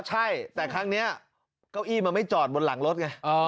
ใช่แต่ครั้งนี้เก้าอี้มันไม่จอดบนหลังรถไง